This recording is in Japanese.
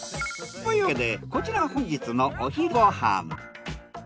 というわけでこちらが本日のお昼ご飯。